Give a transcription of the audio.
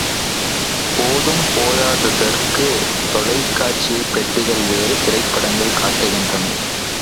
போதும் போதாதற்குத் தொலைக் காட்சிப் பெட்டிகள் வேறு திரைப்படங்கள் காட்டுகின்றன!